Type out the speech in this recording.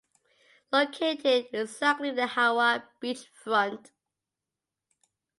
Located exactly in the Hawa Beach front.